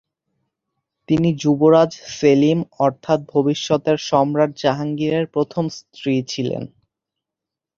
তিনি যুবরাজ সেলিম অর্থাৎ ভবিষ্যতের সম্রাট জাহাঙ্গীরের প্রথম স্ত্রী ছিলেন।